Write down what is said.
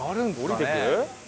下りてく？